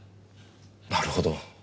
なるほど。